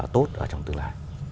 tốt ở trong tương lai